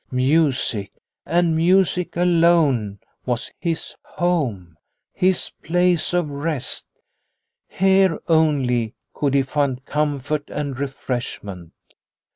Music and music alone was his home, his place of rest. Here only could he find comfort and refreshment.